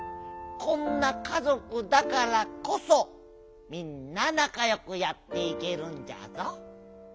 こんなかぞくだからこそみんななかよくやっていけるんじゃぞ。